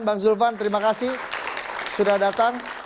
bang zulfan terima kasih sudah datang